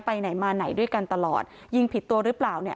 ไปไหนมาไหนด้วยกันตลอดยิงผิดตัวหรือเปล่าเนี่ย